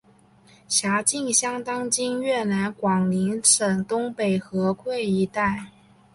辖境相当今越南广宁省东北河桧一带。